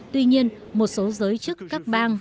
tuy nhiên một số giới chức các bang